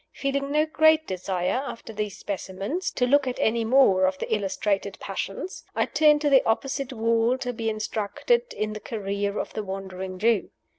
Feeling no great desire, after these specimens, to look at any more of the illustrated Passions, I turned to the opposite wall to be instructed in the career of the Wandering Jew.